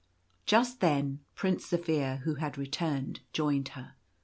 Just then Prince Zaphir, who had returned, joined her.